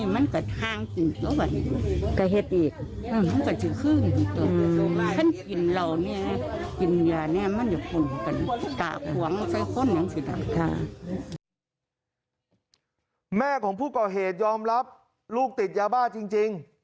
แม่ของผู้ก่อเหตุยอมรับลูกติดยาบ้าจริง